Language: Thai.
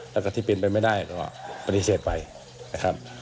แล้วก็ที่เป็นไปไม่ได้ก็ปฏิเสธไปนะครับ